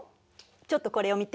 ちょっとこれを見て。